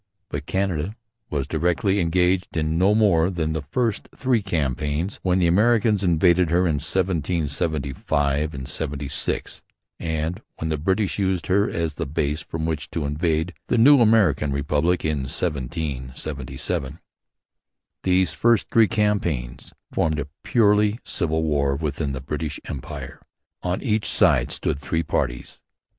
But Canada was directly engaged in no more than the first three campaigns, when the Americans invaded her in 1775 and '76, and when the British used her as the base from which to invade the new American Republic in 1777. These first three campaigns formed a purely civil war within the British Empire. On each side stood three parties.